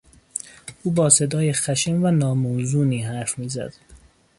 او با صدای خشن و ناموزونی حرف میزد.